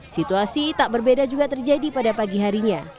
situasi tak berbeda juga terjadi pada pagi harinya